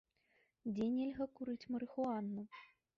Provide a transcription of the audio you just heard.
Дзе нельга курыць марыхуану?